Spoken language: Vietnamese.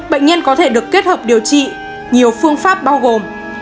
bệnh nhân có thể được kết hợp điều trị nhiều phương pháp bao gồm